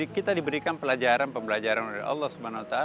kita diberikan pelajaran pelajaran dari allah swt